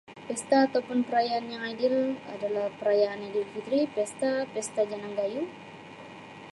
Pesta atau pun perayaan yang ideal adalah perayaan Aidilfitri pesta, pesta Janang Gayuh.